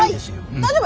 大丈夫？